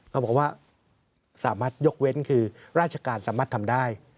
เขาบอกว่าสามารถยกเว้นคือราชการสามารถทำได้